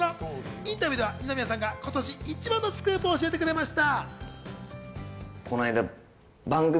インタビューでは二宮さんが今年一番のスクープを教えてくれました。